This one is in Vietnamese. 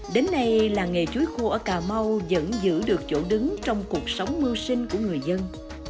đến nay làng nghề chuối khô ở cà mau vẫn giữ được chỗ đứng trong cuộc sống mưu sinh của người dân